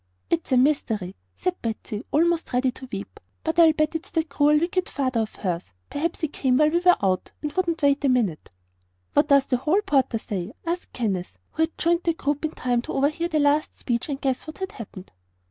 "It's a mystery," said Patsy, almost ready to weep. "But I'll bet it's that cruel, wicked father of hers. Perhaps he came while we were out and wouldn't wait a minute." "What does the hall porter say?" asked Kenneth, who had joined the group in time to overhear the last speech and guess what had happened.